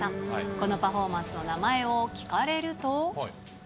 このパフォーマンスの名前を聞かれると？